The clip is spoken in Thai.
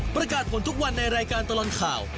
ประกาศผลทุกวันในรายการตลอดข่าว